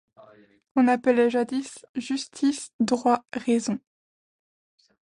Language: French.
Qu'on appelait jadis justice, droit, raison.